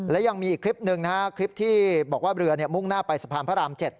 และยังมีอีกคลิปหนึ่งนะฮะคลิปที่บอกว่าเรือมุ่งหน้าไปสะพานพระราม๗